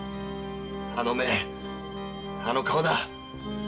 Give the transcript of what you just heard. あの目あの顔だ！